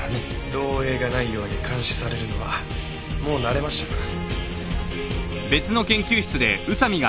漏洩がないように監視されるのはもう慣れましたから。